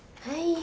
はい。